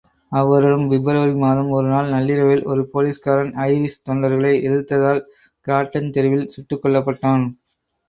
அவ்வருடம் பிப்ரவரி மாதம் ஒருநாள் நள்ளிரவில் ஒரு போலிஸ்காரன் ஐரிஷ் தொண்டர்களை எதிர்த்ததால் கிராட்டன் தெருவில் சுட்டுக்கொல்லப்படட்டான்.